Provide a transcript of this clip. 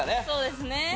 そうですね。